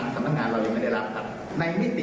ครับ